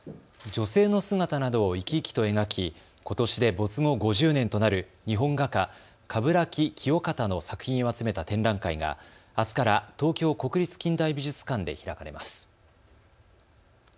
女性の姿などを生き生きと描きことしで没後５０年となる日本画家、鏑木清方の作品を集めた展覧会があすから東京国立近代美術館で開かれます。